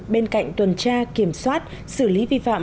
bên cạnh tuần tra kiểm soát xử lý vi phạm